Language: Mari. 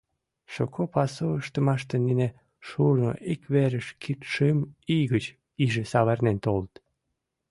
Шуко пасу ыштымаште нине шурно ик верыш куд-шым ий гыч иже савырнен толыт.